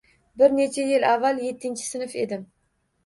Bir necha yil avval yettinchi sinf edim.